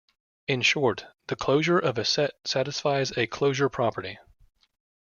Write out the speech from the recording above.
In short, the closure of a set satisfies a closure property.